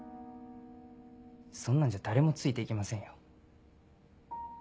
そんなんじゃ誰もついて行きませんよ。